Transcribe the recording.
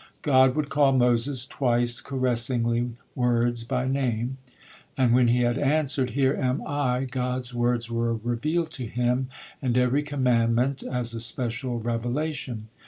God would call Moses twice caressingly words by name, and when he had answered, "Here am I," God's words were revealed to him, and every commandment as a special revelation.